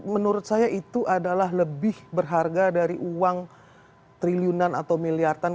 menurut saya itu adalah lebih berharga dari uang triliunan atau miliaran